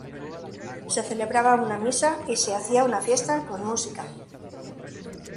Se celebraba una misa y se hacía una fiesta con música.